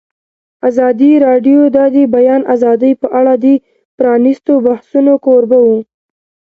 ازادي راډیو د د بیان آزادي په اړه د پرانیستو بحثونو کوربه وه.